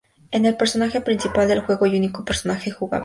Es el personaje principal del juego y único personaje jugable.